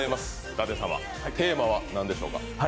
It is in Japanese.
舘様、テーマは何でしょうか？